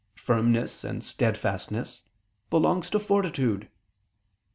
firmness and steadfastness, belongs to fortitude.